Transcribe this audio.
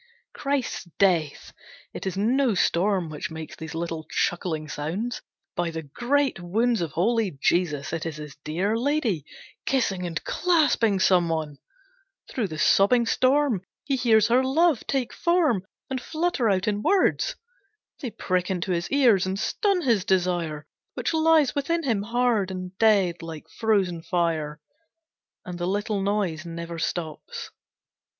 Christ's Death! It is no storm which makes these little chuckling sounds. By the Great Wounds of Holy Jesus, it is his dear lady, kissing and clasping someone! Through the sobbing storm he hears her love take form and flutter out in words. They prick into his ears and stun his desire, which lies within him, hard and dead, like frozen fire. And the little noise never stops.